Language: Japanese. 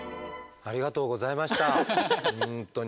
ありがとうございました本当に。